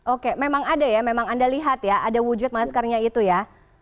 oke memang ada ya memang anda lihat ya ada wujud maskernya itu ya